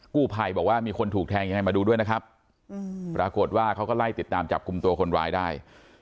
กู้ภัยบอกว่ามีคนถูกแทงยังไงมาดูด้วยนะครับปรากฏว่าเขาก็ไล่ติดตามจับกลุ่มตัวคนร้ายได้